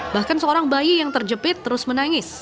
bahkan seorang bayi yang terjepit terus menangis